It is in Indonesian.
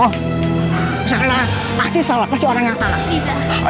jangan lah pasti salah pasti orang yang salah riza